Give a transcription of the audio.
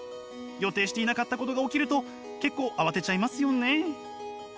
予定していなかったことが起きると結構慌てちゃいますよね。